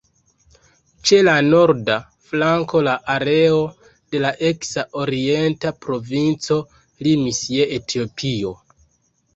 Ĉe la norda flanko la areo de la eksa orienta provinco limis je Etiopio.